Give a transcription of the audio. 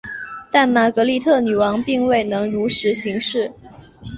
但玛格丽特女王并未能如实行事。